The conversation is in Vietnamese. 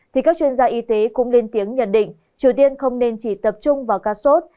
thì các chuyên gia y tế cũng lên tiếng nhận định triều tiên không nên chỉ tập trung vào cashos